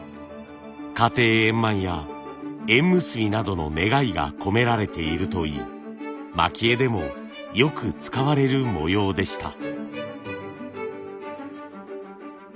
家庭円満や縁結びなどの願いが込められているといい蒔絵でもよく使われる模様でした。